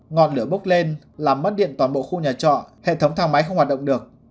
ngọn lửa bốc lên làm mất điện toàn bộ khu nhà trọ hệ thống thang máy không hoạt động được